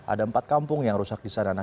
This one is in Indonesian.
ada empat kampung yang rusak di sana